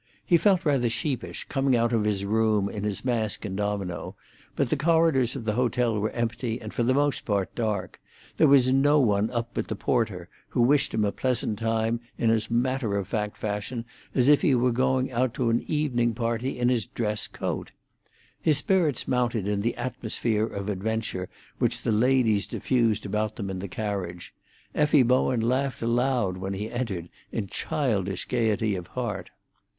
He felt rather sheepish, coming out of his room in his mask and domino, but the corridors of the hotel were empty, and for the most part dark; there was no one up but the porter, who wished him a pleasant time in as matter of fact fashion as if he were going out to an evening party in his dress coat. His spirits mounted in the atmosphere of adventure which the ladies diffused about them in the carriage; Effie Bowen laughed aloud when he entered, in childish gaiety of heart.